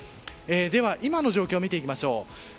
では今の状況を見ていきましょう。